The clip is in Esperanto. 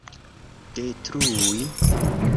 detrui